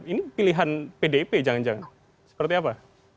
ini pilihan pdip jangan jangan seperti apa